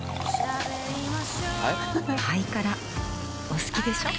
お好きでしょ。